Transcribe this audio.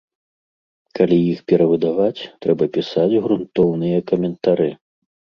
Калі іх перавыдаваць, трэба пісаць грунтоўныя каментары.